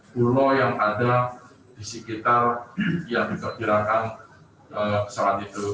pulau yang ada di sekitar yang diperkirakan kesalahan itu